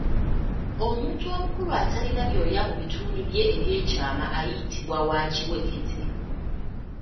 Omuntu omukulu atalina byoya mu bitundu bye eby’ekyama ayitibwa wa kiwekete.